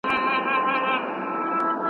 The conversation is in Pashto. هر انسان باید په خپل ژوند کي هدف ولري.